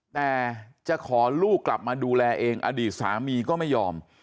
แต่จะขอลูกกลับมาดูแลเองอดีตสามีก็ไม่ยอม